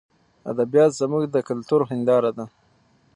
ادبیات زموږ د کلتور هنداره ده.